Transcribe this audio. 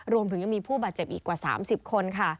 รวมถึงมีผู้บาดเจ็บอีกกว่า๓๐คน